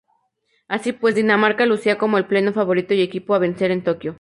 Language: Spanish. Así pues, Dinamarca lucía como el pleno favorito y equipo a vencer en Tokyo.